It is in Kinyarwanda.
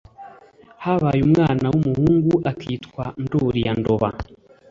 Habaye umwana w’umuhungu akitwa Ndori ya Ndoba,